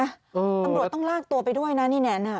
ตำรวจต้องลากตัวไปด้วยนะนี่แน่